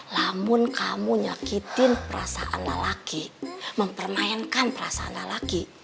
namun kamu nyakitin perasaan lelaki mempermainkan perasaan lelaki